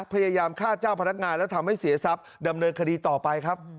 พยายามฆ่าเจ้าพนักงานและทำให้เสียทรัพย์ดำเนินคดีต่อไปครับ